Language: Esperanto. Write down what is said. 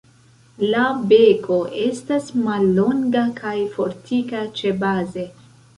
La beko estas mallonga kaj fortika ĉebaze.